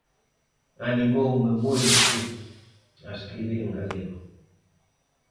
Animoume moito a escribir en galego.